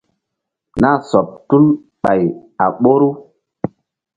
Nah sɔk tul ɓay a ɓoru.